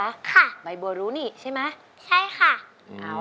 แล้วน้องใบบัวร้องได้หรือว่าร้องผิดครับ